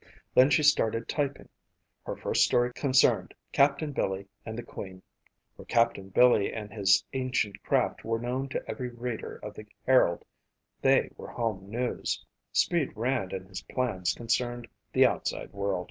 Then she started typing. Her first story concerned Captain Billy and the Queen, for Captain Billy and his ancient craft were known to every reader of the Herald. They were home news. "Speed" Rand and his plans concerned the outside world.